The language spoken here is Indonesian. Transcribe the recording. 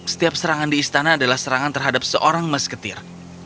setiap serangan di istana adalah serangan terhadap seorang masketir